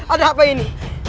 ada apa ini